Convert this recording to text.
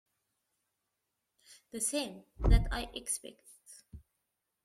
The same that I expect.